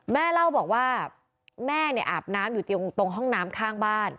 แม่เล่าบอกว่าแม่เนี่ยอาบน้ำอยู่ตรงห้องน้ำข้างบ้าน